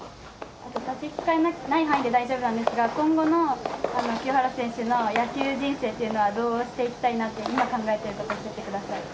差し支えない範囲で大丈夫なんですが、今後の清原選手の野球人生っていうのはどうしていきたいなというふうに考えているか教えてください。